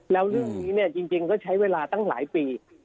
แล้วเรื่องนี้เนี่ยจริงก็ใช้เวลาตั้งหลายปี